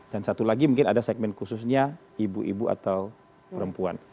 dan satu lagi mungkin ada segmen khususnya ibu ibu atau perempuan